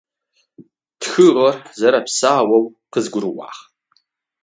Тхыгъэр зэрэпсаоу къызгурыӏуагъ.